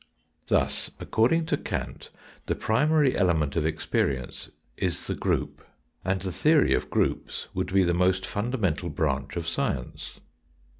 Thus, according to Kant, the primary element of ex perience is the group, and the theory of groups would be the most fundamental branch of science.